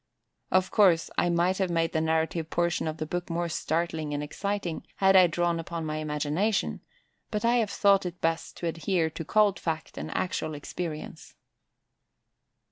Of course, I might have made the narrative portion of the book more startling and exciting, had I drawn upon my imagination, but I have thought it best to adhere to cold fact and actual experience.